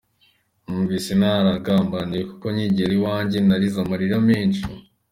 Numvise naragambaniwe kuko nkigera iwanjye narize amarira menshi.